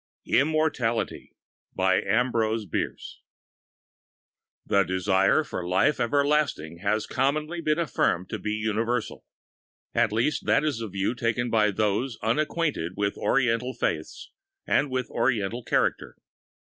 IMMORTALITY THE desire for life everlasting has commonly been affirmed to be universal—at least that is the view taken by those unacquainted with Oriental faiths and with Oriental character.